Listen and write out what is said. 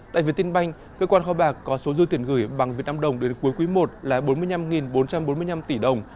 tại việt tin banh cơ quan kho bạc có số dư tiền gửi bằng việt nam đồng đến cuối quý i là bốn mươi năm bốn trăm bốn mươi năm tỷ đồng